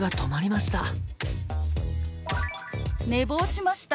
「寝坊しました」。